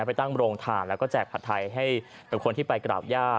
ไปตั้งโรงทานแล้วก็แจกผัดไทยให้กับคนที่ไปกราบย่า